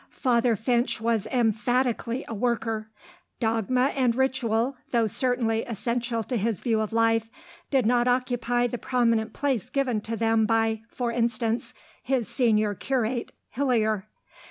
Father Finch was emphatically a worker. Dogma and ritual, though certainly essential to his view of life, did not occupy the prominent place given to them by, for instance, his senior curate, Hillier.